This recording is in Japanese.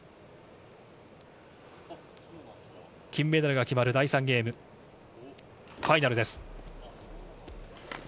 金メダルが決まる第３ゲーム、ファイナルです。